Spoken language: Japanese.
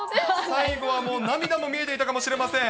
最後は涙も見えていたかもしれません。